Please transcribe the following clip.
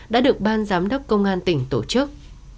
đã được ban giám đốc công an tỉnh tổ chức